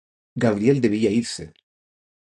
Gabriel debía irse.